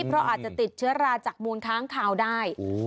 เพราะอาจจะติดเชื้อราจากมูลค้างคาวได้